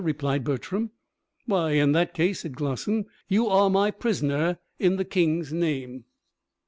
replied Bertram. "Why in that case," said Glossin, "you are my prisoner in the king's name."